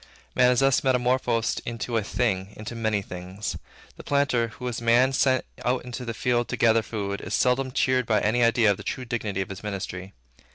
Man is thus metamorphosed into a thing, into many things. The planter, who is Man sent out into the field to gather food, is seldom cheered by any idea of the true dignity of his ministry.